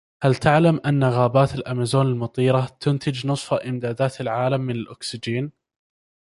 هل تعلم أن غابات الأمازون المطيرة تنتج نصف إمدادات العالم من الأكسجين.